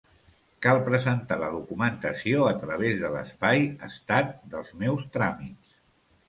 Cal presentar la documentació a través de l'espai Estat dels meus tràmits.